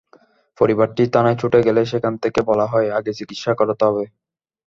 পরিবারটি থানায় ছুটে গেলে সেখান থেকে বলা হয়, আগে চিকিৎসা করাতে হবে।